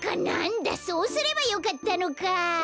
なんだそうすればよかったのか。